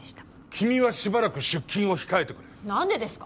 君はしばらく出勤を控えてくれ何でですか？